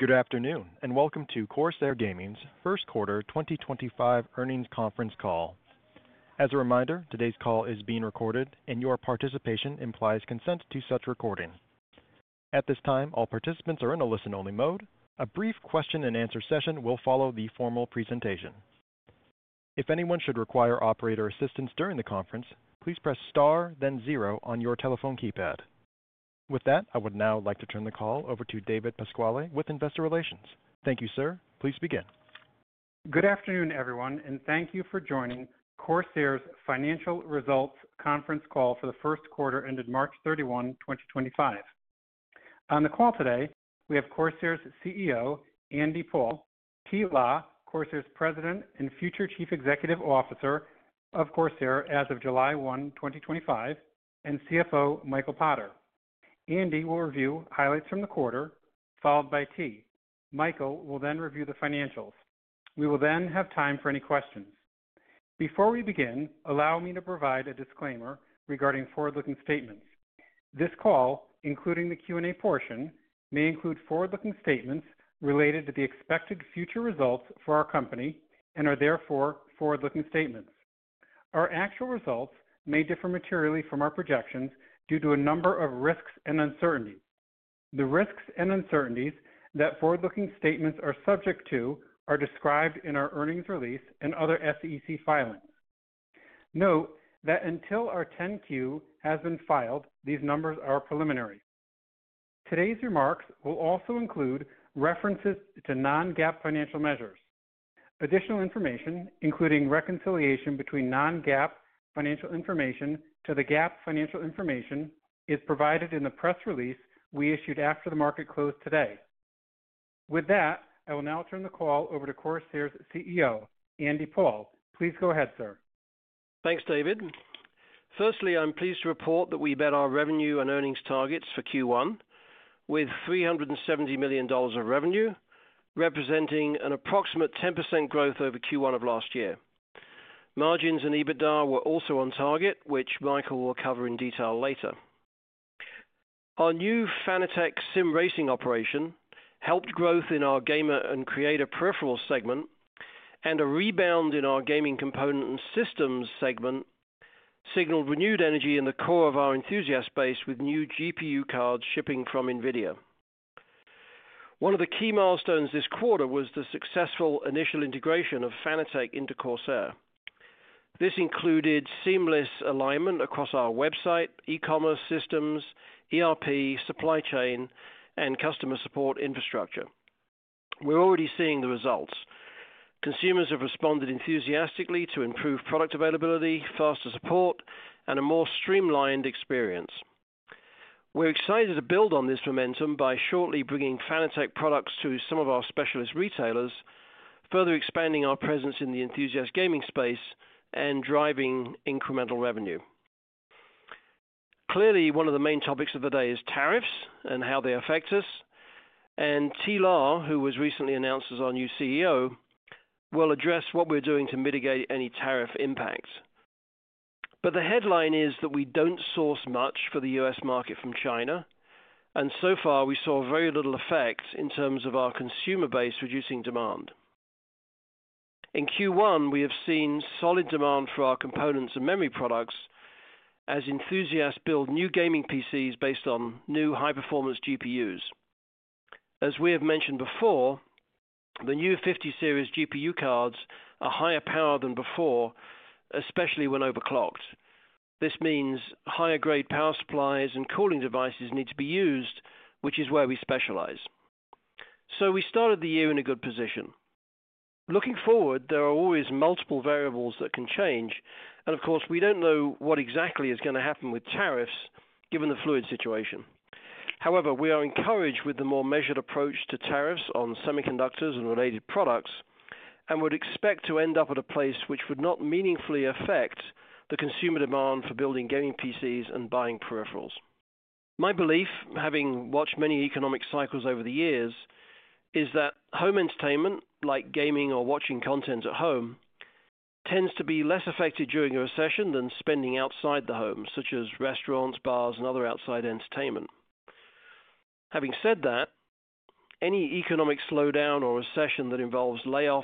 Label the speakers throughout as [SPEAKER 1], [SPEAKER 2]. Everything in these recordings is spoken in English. [SPEAKER 1] Good afternoon, and welcome to Corsair Gaming's first quarter 2025 earnings conference call. As a reminder, today's call is being recorded, and your participation implies consent to such recording. At this time, all participants are in a listen-only mode. A brief question-and-answer session will follow the formal presentation. If anyone should require operator assistance during the conference, please press star, then zero on your telephone keypad. With that, I would now like to turn the call over to David Pasquale with Investor Relations. Thank you, sir. Please begin.
[SPEAKER 2] Good afternoon, everyone, and thank you for joining Corsair's financial results conference call for the first quarter ended March 31, 2025. On the call today, we have Corsair's CEO, Andy Paul, Thi La, Corsair's President and future Chief Executive Officer of Corsair as of July 1, 2025, and CFO, Michael Potter. Andy will review highlights from the quarter, followed by Thi. Michael will then review the financials. We will then have time for any questions. Before we begin, allow me to provide a disclaimer regarding forward-looking statements. This call, including the Q&A portion, may include forward-looking statements related to the expected future results for our company and are therefore forward-looking statements. Our actual results may differ materially from our projections due to a number of risks and uncertainties. The risks and uncertainties that forward-looking statements are subject to are described in our earnings release and other SEC filings. Note that until our 10-Q has been filed, these numbers are preliminary. Today's remarks will also include references to non-GAAP financial measures. Additional information, including reconciliation between non-GAAP financial information to the GAAP financial information, is provided in the press release we issued after the market closed today. With that, I will now turn the call over to Corsair's CEO, Andy Paul. Please go ahead, sir.
[SPEAKER 3] Thanks, David. Firstly, I'm pleased to report that we beat our revenue and earnings targets for Q1 with $370 million of revenue, representing an approximate 10% growth over Q1 of last year. Margins and EBITDA were also on target, which Michael will cover in detail later. Our new Fanatec SIM racing operation helped growth in our gamer and creator peripherals segment, and a rebound in our gaming component and systems segment signaled renewed energy in the core of our enthusiast base with new GPU cards shipping from NVIDIA. One of the key milestones this quarter was the successful initial integration of Fanatec into Corsair. This included seamless alignment across our website, e-commerce systems, ERP, supply chain, and customer support infrastructure. We're already seeing the results. Consumers have responded enthusiastically to improved product availability, faster support, and a more streamlined experience. We're excited to build on this momentum by shortly bringing Fanatec products to some of our specialist retailers, further expanding our presence in the enthusiast gaming space and driving incremental revenue. Clearly, one of the main topics of the day is tariffs and how they affect us. Thi La, who was recently announced as our new CEO, will address what we're doing to mitigate any tariff impacts. The headline is that we do not source much for the U.S. market from China, and so far we saw very little effect in terms of our consumer base reducing demand. In Q1, we have seen solid demand for our components and memory products as enthusiasts build new gaming PCs based on new high-performance GPUs. As we have mentioned before, the new 50 series GPU cards are higher power than before, especially when overclocked. This means higher-grade power supplies and cooling devices need to be used, which is where we specialize. We started the year in a good position. Looking forward, there are always multiple variables that can change, and of course, we do not know what exactly is going to happen with tariffs given the fluid situation. However, we are encouraged with the more measured approach to tariffs on semiconductors and related products and would expect to end up at a place which would not meaningfully affect the consumer demand for building gaming PCs and buying peripherals. My belief, having watched many economic cycles over the years, is that home entertainment, like gaming or watching content at home, tends to be less affected during a recession than spending outside the home, such as restaurants, bars, and other outside entertainment. Having said that, any economic slowdown or recession that involves layoffs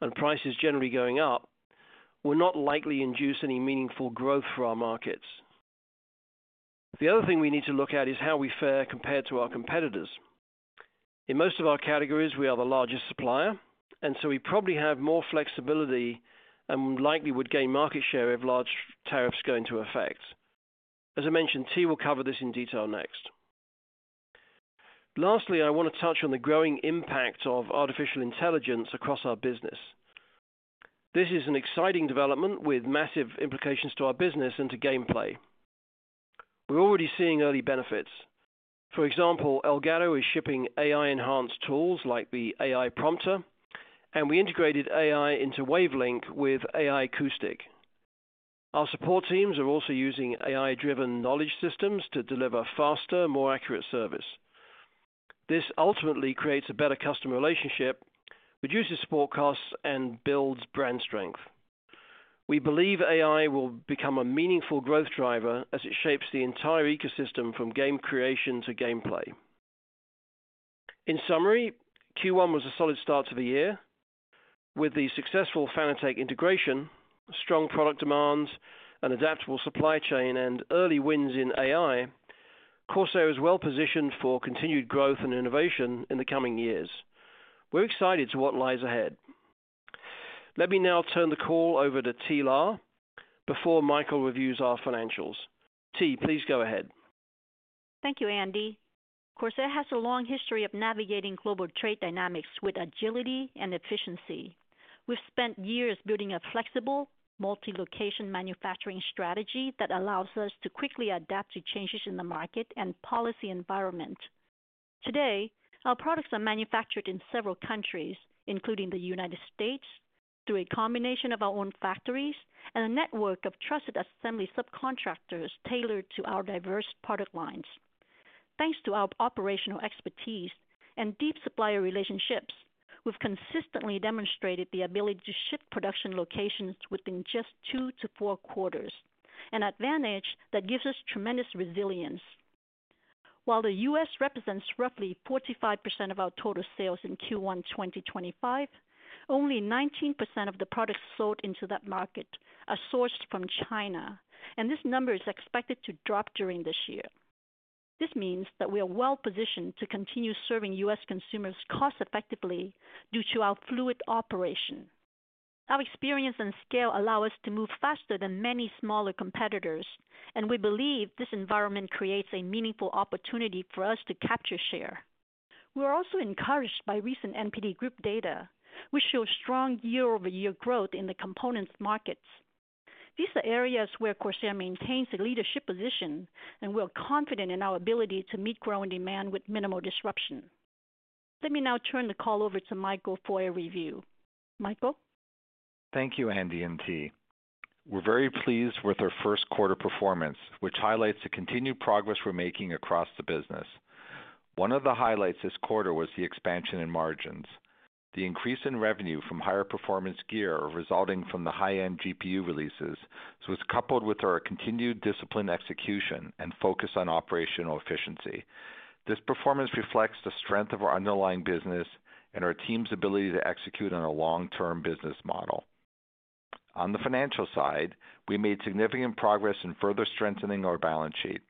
[SPEAKER 3] and prices generally going up will not likely induce any meaningful growth for our markets. The other thing we need to look at is how we fare compared to our competitors. In most of our categories, we are the largest supplier, and so we probably have more flexibility and likely would gain market share if large tariffs go into effect. As I mentioned, Thi will cover this in detail next. Lastly, I want to touch on the growing impact of artificial intelligence across our business. This is an exciting development with massive implications to our business and to gameplay. We're already seeing early benefits. For example, Elgato is shipping AI-enhanced tools like the AI Prompter, and we integrated AI into Wave Link with AI Acoustic. Our support teams are also using AI-driven knowledge systems to deliver faster, more accurate service. This ultimately creates a better customer relationship, reduces support costs, and builds brand strength. We believe AI will become a meaningful growth driver as it shapes the entire ecosystem from game creation to gameplay. In summary, Q1 was a solid start to the year. With the successful Fanatec integration, strong product demands, an adaptable supply chain, and early wins in AI, Corsair is well positioned for continued growth and innovation in the coming years. We're excited to see what lies ahead. Let me now turn the call over to Thi La before Michael reviews our financials. Thi, please go ahead.
[SPEAKER 4] Thank you, Andy. Corsair has a long history of navigating global trade dynamics with agility and efficiency. We've spent years building a flexible, multi-location manufacturing strategy that allows us to quickly adapt to changes in the market and policy environment. Today, our products are manufactured in several countries, including the United States, through a combination of our own factories and a network of trusted assembly subcontractors tailored to our diverse product lines. Thanks to our operational expertise and deep supplier relationships, we've consistently demonstrated the ability to shift production locations within just two to four quarters, an advantage that gives us tremendous resilience. While the U.S. represents roughly 45% of our total sales in Q1 2025, only 19% of the products sold into that market are sourced from China, and this number is expected to drop during this year. This means that we are well positioned to continue serving U.S. consumers cost-effectively due to our fluid operation. Our experience and scale allow us to move faster than many smaller competitors, and we believe this environment creates a meaningful opportunity for us to capture share. We're also encouraged by recent NPD Group data, which shows strong year-over-year growth in the components markets. These are areas where Corsair maintains a leadership position and we're confident in our ability to meet growing demand with minimal disruption. Let me now turn the call over to Michael for a review. Michael.
[SPEAKER 5] Thank you, Andy and Thi. We're very pleased with our first quarter performance, which highlights the continued progress we're making across the business. One of the highlights this quarter was the expansion in margins. The increase in revenue from higher performance gear resulting from the high-end GPU releases was coupled with our continued disciplined execution and focus on operational efficiency. This performance reflects the strength of our underlying business and our team's ability to execute on a long-term business model. On the financial side, we made significant progress in further strengthening our balance sheet.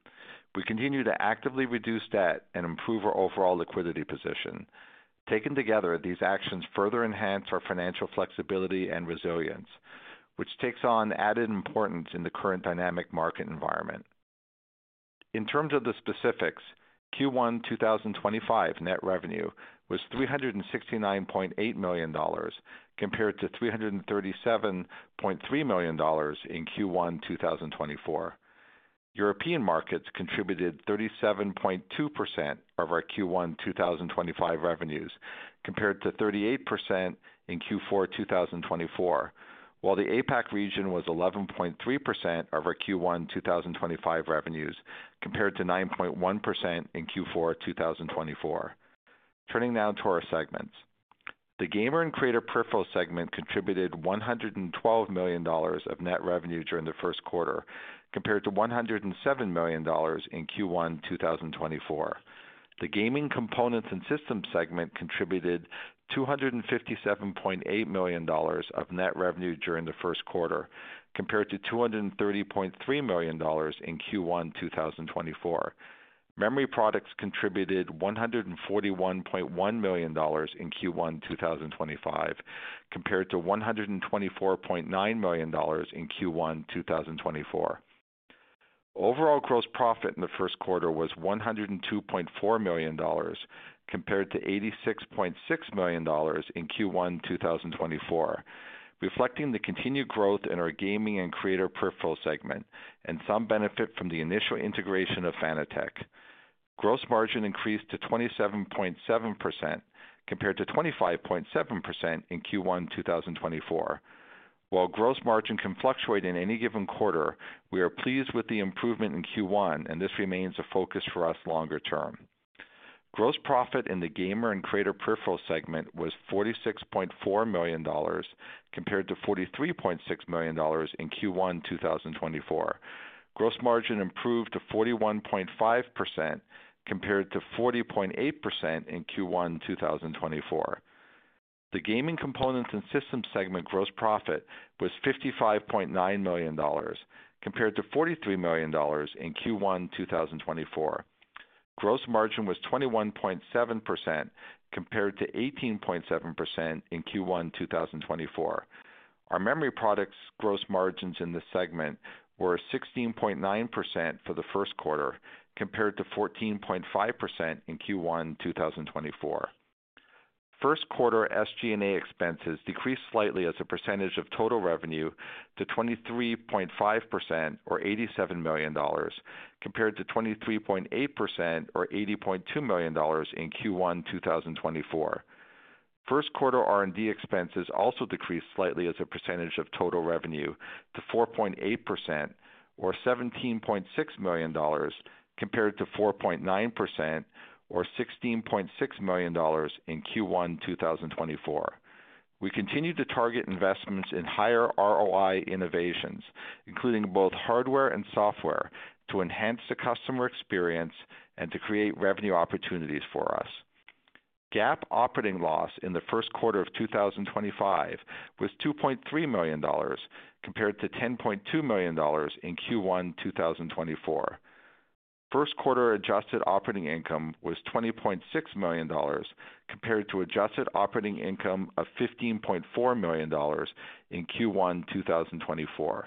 [SPEAKER 5] We continue to actively reduce debt and improve our overall liquidity position. Taken together, these actions further enhance our financial flexibility and resilience, which takes on added importance in the current dynamic market environment. In terms of the specifics, Q1 2025 net revenue was $369.8 million compared to $337.3 million in Q1 2024. European markets contributed 37.2% of our Q1 2025 revenues compared to 38% in Q4 2024, while the APAC region was 11.3% of our Q1 2025 revenues compared to 9.1% in Q4 2024. Turning now to our segments. The gamer and creator peripheral segment contributed $112 million of net revenue during the first quarter compared to $107 million in Q1 2024. The gaming components and systems segment contributed $257.8 million of net revenue during the first quarter compared to $230.3 million in Q1 2024. Memory products contributed $141.1 million in Q1 2025 compared to $124.9 million in Q1 2024. Overall gross profit in the first quarter was $102.4 million compared to $86.6 million in Q1 2024, reflecting the continued growth in our gaming and creator peripheral segment and some benefit from the initial integration of Fanatec. Gross margin increased to 27.7% compared to 25.7% in Q1 2024. While gross margin can fluctuate in any given quarter, we are pleased with the improvement in Q1, and this remains a focus for us longer term. Gross profit in the gamer and creator peripheral segment was $46.4 million compared to $43.6 million in Q1 2024. Gross margin improved to 41.5% compared to 40.8% in Q1 2024. The gaming components and systems segment gross profit was $55.9 million compared to $43 million in Q1 2024. Gross margin was 21.7% compared to 18.7% in Q1 2024. Our memory products' gross margins in this segment were 16.9% for the first quarter compared to 14.5% in Q1 2024. First quarter SG&A expenses decreased slightly as a percentage of total revenue to 23.5% or $87 million compared to 23.8% or $80.2 million in Q1 2024. First quarter R&D expenses also decreased slightly as a percentage of total revenue to 4.8% or $17.6 million compared to 4.9% or $16.6 million in Q1 2024. We continue to target investments in higher ROI innovations, including both hardware and software, to enhance the customer experience and to create revenue opportunities for us. GAAP operating loss in the first quarter of 2025 was $2.3 million compared to $10.2 million in Q1 2024. First quarter adjusted operating income was $20.6 million compared to adjusted operating income of $15.4 million in Q1 2024.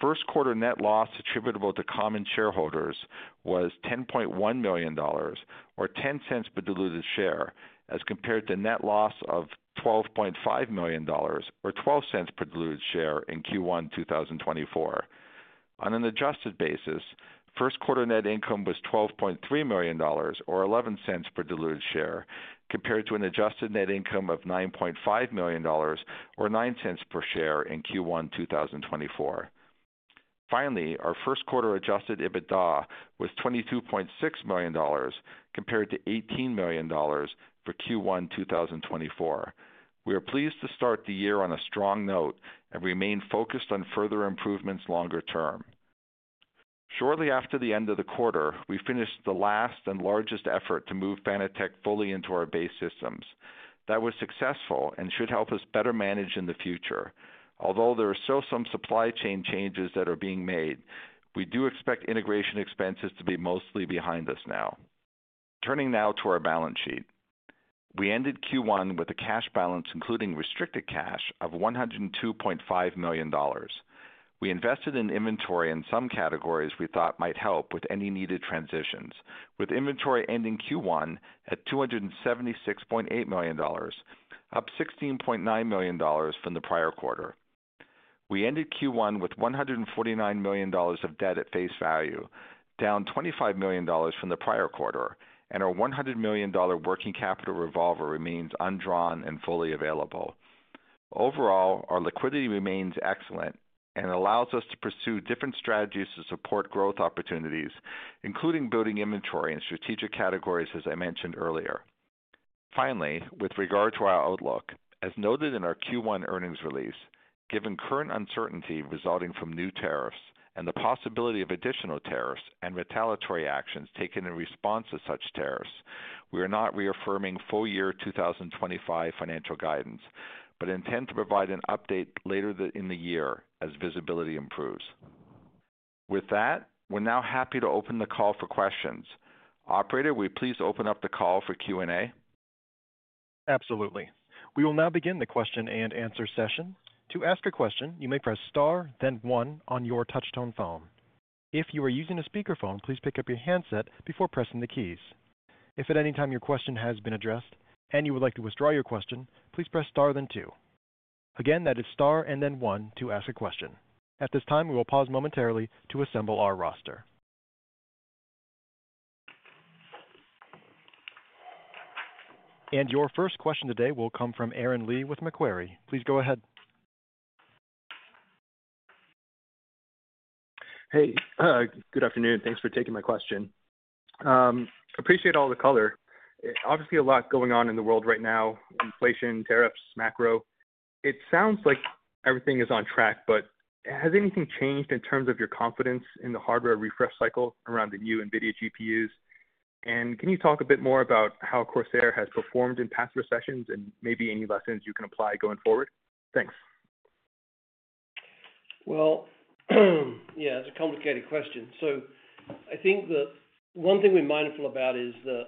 [SPEAKER 5] First quarter net loss attributable to common shareholders was $10.1 million or $0.10 per diluted share as compared to net loss of $12.5 million or $0.12 per diluted share in Q1 2024. On an adjusted basis, first quarter net income was $12.3 million or $0.11 per diluted share compared to an adjusted net income of $9.5 million or $0.09 per share in Q1 2024. Finally, our first quarter adjusted EBITDA was $22.6 million compared to $18 million for Q1 2024. We are pleased to start the year on a strong note and remain focused on further improvements longer term. Shortly after the end of the quarter, we finished the last and largest effort to move Fanatec fully into our base systems. That was successful and should help us better manage in the future. Although there are still some supply chain changes that are being made, we do expect integration expenses to be mostly behind us now. Turning now to our balance sheet. We ended Q1 with a cash balance, including restricted cash, of $102.5 million. We invested in inventory in some categories we thought might help with any needed transitions, with inventory ending Q1 at $276.8 million, up $16.9 million from the prior quarter. We ended Q1 with $149 million of debt at face value, down $25 million from the prior quarter, and our $100 million working capital revolver remains undrawn and fully available. Overall, our liquidity remains excellent and allows us to pursue different strategies to support growth opportunities, including building inventory in strategic categories, as I mentioned earlier. Finally, with regard to our outlook, as noted in our Q1 earnings release, given current uncertainty resulting from new tariffs and the possibility of additional tariffs and retaliatory actions taken in response to such tariffs, we are not reaffirming full year 2025 financial guidance but intend to provide an update later in the year as visibility improves. With that, we're now happy to open the call for questions. Operator, will you please open up the call for Q&A?
[SPEAKER 1] Absolutely. We will now begin the question and answer session. To ask a question, you may press star, then one on your touch-tone phone. If you are using a speakerphone, please pick up your handset before pressing the keys. If at any time your question has been addressed and you would like to withdraw your question, please press star, then two. Again, that is star and then one to ask a question. At this time, we will pause momentarily to assemble our roster. Your first question today will come from Aaron Lee with Macquarie. Please go ahead.
[SPEAKER 6] Hey, good afternoon. Thanks for taking my question. Appreciate all the color. Obviously, a lot going on in the world right now: inflation, tariffs, macro. It sounds like everything is on track, but has anything changed in terms of your confidence in the hardware refresh cycle around the new NVIDIA GPUs? Can you talk a bit more about how Corsair has performed in past recessions and maybe any lessons you can apply going forward? Thanks.
[SPEAKER 3] Yeah, that's a complicated question. I think that one thing we're mindful about is that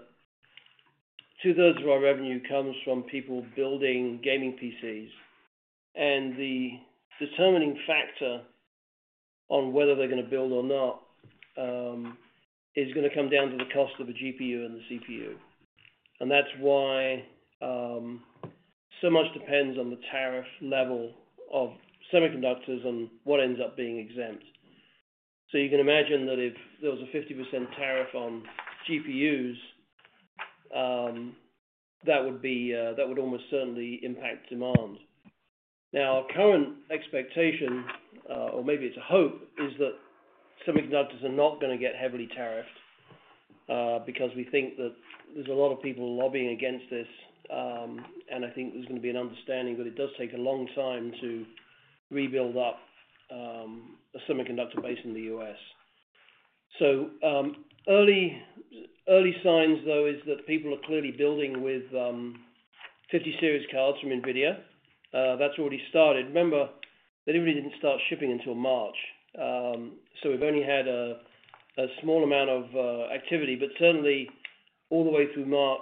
[SPEAKER 3] two-thirds of our revenue comes from people building gaming PCs, and the determining factor on whether they're going to build or not is going to come down to the cost of the GPU and the CPU. That's why so much depends on the tariff level of semiconductors and what ends up being exempt. You can imagine that if there was a 50% tariff on GPUs, that would almost certainly impact demand. Now, our current expectation, or maybe it's a hope, is that semiconductors are not going to get heavily tariffed because we think that there's a lot of people lobbying against this, and I think there's going to be an understanding that it does take a long time to rebuild up a semiconductor base in the U.S. Early signs, though, are that people are clearly building with 50 series cards from NVIDIA. That's already started. Remember, they didn't really start shipping until March, so we've only had a small amount of activity. Certainly, all the way through Mach,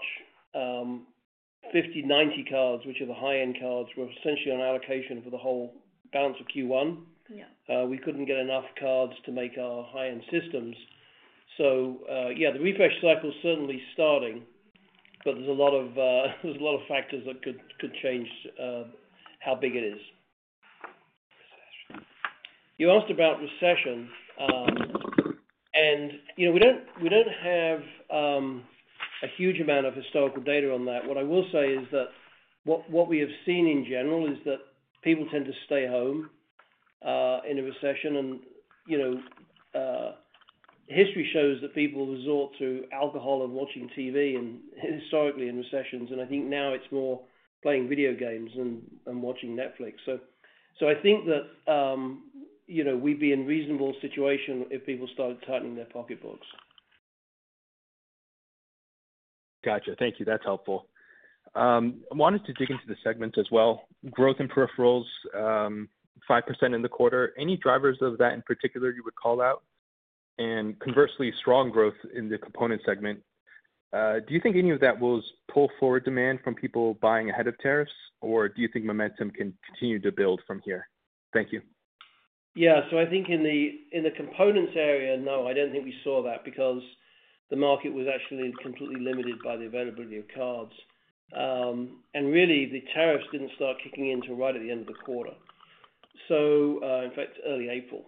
[SPEAKER 3] 50, 90 cards, which are the high-end cards, were essentially on allocation for the whole balance of Q1. We couldn't get enough cards to make our high-end systems. Yeah, the refresh cycle is certainly starting, but there's a lot of factors that could change how big it is. You asked about recession, and we don't have a huge amount of historical data on that. What I will say is that what we have seen in general is that people tend to stay home in a recession, and history shows that people resort to alcohol and watching TV historically in recessions. I think now it's more playing video games and watching Netflix. I think that we'd be in a reasonable situation if people started tightening their pocketbooks.
[SPEAKER 6] Gotcha. Thank you. That's helpful. I wanted to dig into the segments as well. Growth in peripherals, 5% in the quarter. Any drivers of that in particular you would call out? Conversely, strong growth in the component segment. Do you think any of that will pull forward demand from people buying ahead of tariffs, or do you think momentum can continue to build from here? Thank you.
[SPEAKER 3] Yeah. I think in the components area, no, I do not think we saw that because the market was actually completely limited by the availability of cards. The tariffs did not start kicking in until right at the end of the quarter, in fact, early April.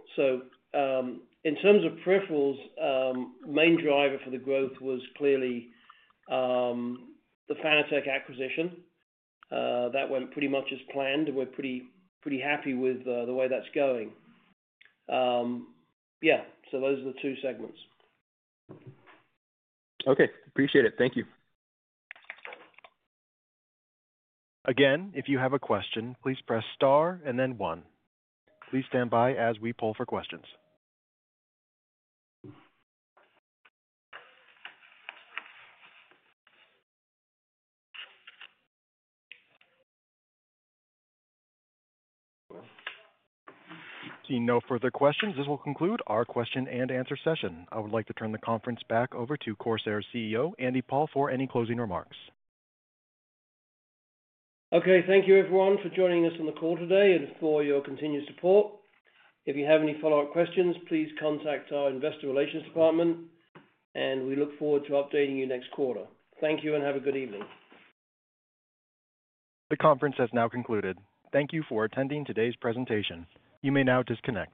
[SPEAKER 3] In terms of peripherals, the main driver for the growth was clearly the Fanatec acquisition. That went pretty much as planned, and we are pretty happy with the way that is going. Yeah. Those are the two segments.
[SPEAKER 6] Okay. Appreciate it. Thank you. Again, if you have a question, please press star and then one. Please stand by as we pull for questions. Seeing no further questions, this will conclude our question and answer session. I would like to turn the conference back over to Corsair CEO, Andy Paul, for any closing remarks.
[SPEAKER 3] Okay. Thank you, everyone, for joining us on the call today and for your continued support. If you have any follow-up questions, please contact our investor relations department, and we look forward to updating you next quarter. Thank you, and have a good evening.
[SPEAKER 1] The conference has now concluded. Thank you for attending today's presentation. You may now disconnect.